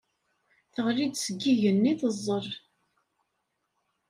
Teɣli-d seg yigenni teẓẓel.